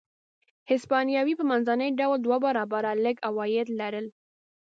هسپانوي په منځني ډول دوه برابره لږ عواید لرل.